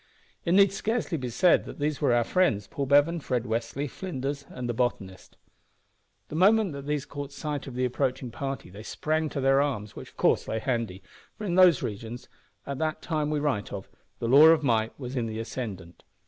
It need scarcely be said that these were our friends Paul Bevan, Fred Westly, Flinders, and the botanist. The moment that these caught sight of the approaching party they sprang to their arms, which of course lay handy, for in those regions, at the time we write of, the law of might was in the ascendant.